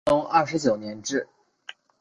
乾隆二十九年置。